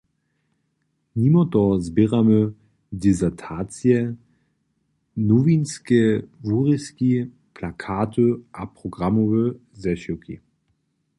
Nimo toho zběramy disertacije, nowinske wurězki, plakaty a programowe zešiwki.